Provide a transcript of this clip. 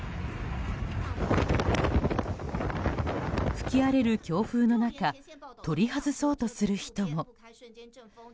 吹き荒れる強風の中取り外そうとする人も。